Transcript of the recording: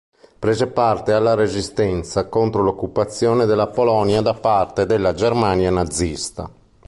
Prese parte alla resistenza contro l'occupazione della Polonia da parte della Germania nazista.